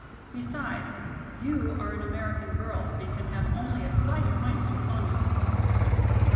Besides, you are an American girl and can have only a slight acquaintance with Sonya."